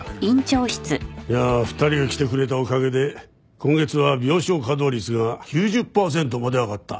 いやあ２人が来てくれたおかげで今月は病床稼働率が９０パーセントまで上がった。